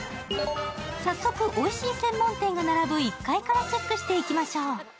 早速おいしい専門店が並ぶ１階からチェックしていきましょう。